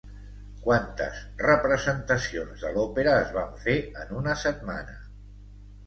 Quantes representacions de l'òpera es van fer en una setmana?